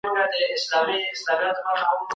کوم شیان زموږ په ژوند کي د شکر ایستلو ارزښت لري؟